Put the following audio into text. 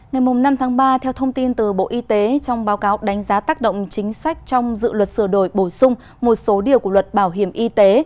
ngày năm tháng ba theo thông tin từ bộ y tế trong báo cáo đánh giá tác động chính sách trong dự luật sửa đổi bổ sung một số điều của luật bảo hiểm y tế